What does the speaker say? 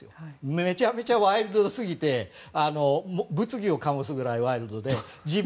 めちゃめちゃワイルドすぎて物議を醸すぐらいワイルドで。